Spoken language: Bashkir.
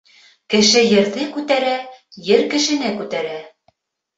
Кеше ерҙе күтәрә, ер кешене күтәрә.